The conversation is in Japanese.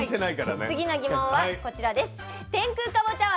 次の疑問はこちらです。